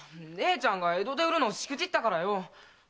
姉ちゃんが江戸で売るのしくじったからよ。